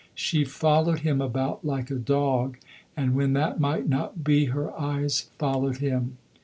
She followed him about like a dog, and when that might not be her eyes followed him.